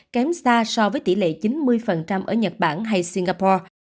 kém xa so với tỷ lệ chín mươi ở nhật bản hay singapore